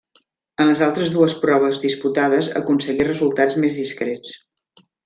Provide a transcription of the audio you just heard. En les altres dues proves disputades aconseguí resultats més discrets.